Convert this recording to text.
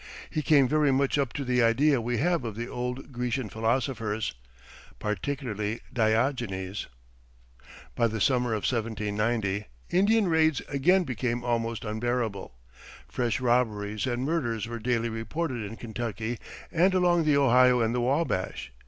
He came very much up to the idea we have of the old Grecian philosophers particularly Diogenes." By the summer of 1790, Indian raids again became almost unbearable. Fresh robberies and murders were daily reported in Kentucky, and along the Ohio and the Wabash.